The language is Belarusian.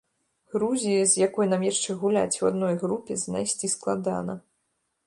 Грузіі, з якой нам яшчэ гуляць у адной групе, знайсці складана.